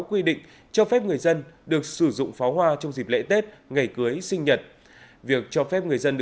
quy định cho phép người dân được sử dụng pháo hoa trong dịp lễ tết ngày cưới sinh nhật